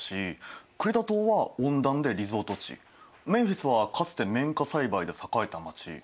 クレタ島は温暖でリゾート地メンフィスはかつて綿花栽培で栄えた街。